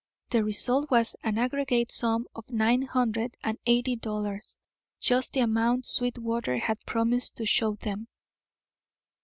The result was an aggregate sum of nine hundred and eighty dollars, just the amount Sweetwater had promised to show them.